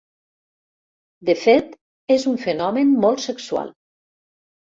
De fet, és un fenomen molt sexual.